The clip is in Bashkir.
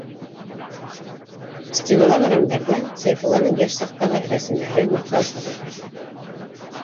Стеналағы рамдарҙа - Сәйфулланың йәш саҡтағы рәсемдәре, маҡтау ҡағыҙҙары.